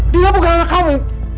dia bukan anak kamu